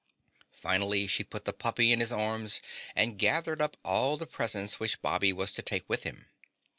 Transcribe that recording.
Finally she put the puppy in his arms and gathered up all the presents which Bobby was to take with him.